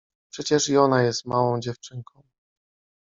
— Przecież i ona jest małą dziewczynką.